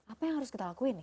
apa yang harus kita lakukan